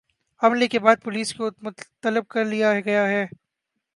حملے کے بعد پولیس کو طلب کر لیا گیا ہے